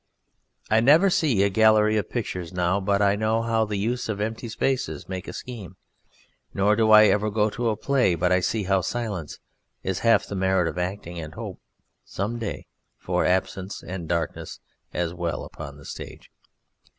I never see a gallery of pictures now but I know how the use of empty spaces makes a scheme, nor do I ever go to a play but I see how silence is half the merit of acting and hope some day for absence and darkness as well upon the stage.